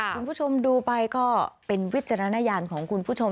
คุณผู้ชมดูไปก็เป็นวิจารณญาณของคุณผู้ชม